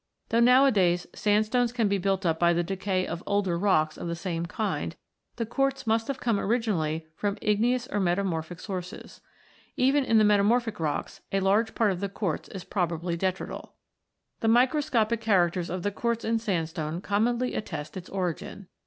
Though nowadays sandstones can be built up by the decay of older rocks of the same kind, the quartz must have come originally from igneous or metamorphic sources. Even in the metamorphic rocks, a large part of the quartz is probably detrital. The microscopic characters of the quartz in sandstone commonly attest its origin.